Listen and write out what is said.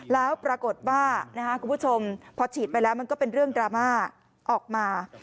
แล้วปรากฏว่าคุณผู้ชมพอฉีดไปแล้วมันก็เป็นเรื่องดราม่าออกมา